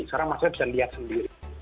sekarang masyarakat bisa lihat sendiri